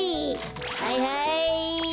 はいはい。